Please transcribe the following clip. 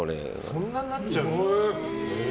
そんなになっちゃうんだ。